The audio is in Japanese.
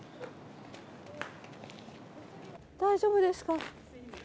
大丈夫ですか？